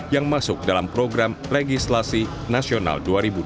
yang masuk dalam program legislasi nasional dua ribu dua puluh